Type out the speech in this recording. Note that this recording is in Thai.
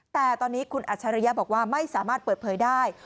แต่ตอนนี้คุณอัจฉริยะบอกว่าไม่สามารถเปิดเผยได้